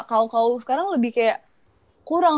kalau kau sekarang lebih kayak kurang